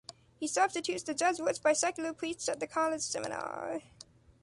He substitutes the Jesuits by Secular Priests at the college and seminar.